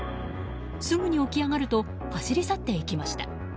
すぐに起き上がると走り去っていきました。